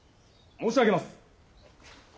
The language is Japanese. ・申し上げます。